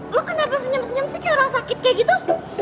lo kenapa senyum senyum sih orang sakit kayak gitu